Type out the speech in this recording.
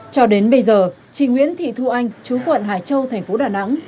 cho đến bây giờ chị nguyễn thị thu anh chú quận hải châu thành phố đà nẵng